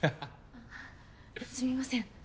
あっすみません。